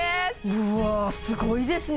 うわすごいですね